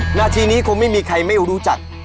หน้าที่นี้คงไม่มีใครไม่รู้จัก